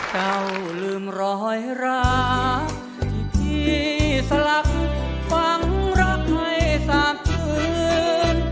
เจ้าลืมรอยรักที่พี่สลักฝังรักให้สาบชื้น